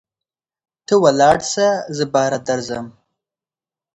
ته ولاړسه زه باره درځم.